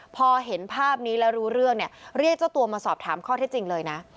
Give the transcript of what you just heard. พอเห็นภาพนี้แล้วรู้เรื่องเนี่ยเรียกเจ้าตัวมาสอบถามข้อเท็จจริงเลยนะ